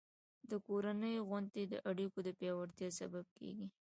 د کورنۍ غونډې د اړیکو د پیاوړتیا سبب کېږي.